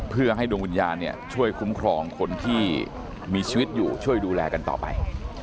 เพื่อให้ดวงวิญญาณช่วยคุ้มครองคนที่มีชีวิตอยู่ช่วยดูแลกันต่อไป